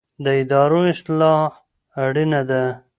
د ادارو اصلاح اړینه ده